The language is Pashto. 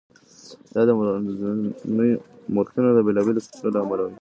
دا د مورخینو د بېلابېلو سرچینو له امله وي.